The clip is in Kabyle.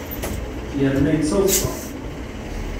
Yerna yettaḍṣa.